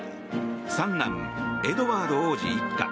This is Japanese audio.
三男エドワード王子一家